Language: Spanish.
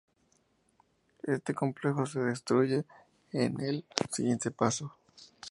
Este complejo se destruye en el siguiente paso.